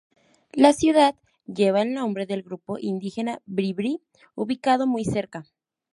La ciudad lleva el nombre del grupo indígena Bribri, ubicado muy cerca.